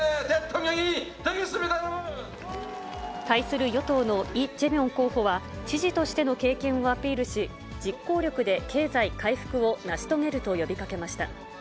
対する与党のイ・ジェミョン候補は、知事としての経験をアピールし、実行力で経済回復を成し遂げると呼びかけました。